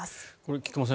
菊間さん